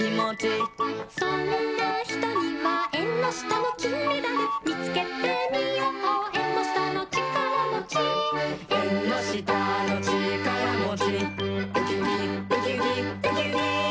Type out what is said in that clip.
「そんなひとにはえんのしたのきんメダル」「みつけてみようえんのしたのちからもち」「えんのしたのちからもち」「ウキウキウキウキウキウキ」